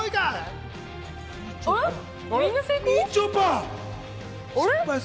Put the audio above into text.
あれ？